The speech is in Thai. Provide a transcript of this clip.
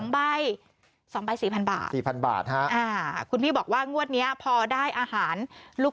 ๒ใบ๒ใบ๔๐๐บาท๔๐๐บาทคุณพี่บอกว่างวดนี้พอได้อาหารลูก